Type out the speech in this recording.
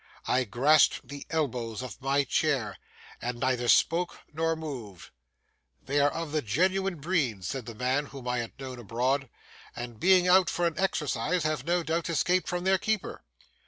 I grasped the elbows of my chair, and neither spoke nor moved. 'They are of the genuine breed,' said the man whom I had known abroad, 'and being out for exercise have no doubt escaped from their keeper.